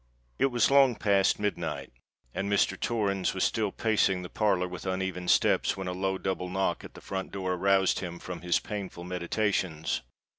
It was long past midnight—and Mr. Torrens was still pacing the parlour with uneven steps, when a low double knock at the front door aroused him from his painful meditations.